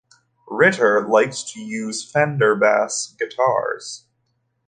Ritter likes to use Fender bass guitars.